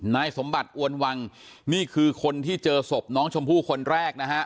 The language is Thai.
นายสมบัติอวนวังนี่คือคนที่เจอศพน้องชมพู่คนแรกนะฮะ